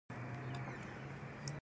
بوټونه د بازار د نرخونو سره توپیر لري.